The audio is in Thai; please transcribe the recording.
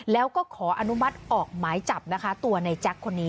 แล้วก็ขออนุมัติออกหมายจับนะคะตัวในแจ็คคนนี้